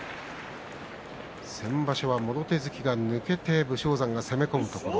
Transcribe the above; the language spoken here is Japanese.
先場所はもろ手突きが抜けて武将山が攻め込むところ